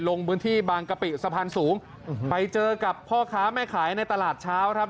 ลงพื้นที่บางกะปิสะพานสูงไปเจอกับพ่อค้าแม่ขายในตลาดเช้าครับ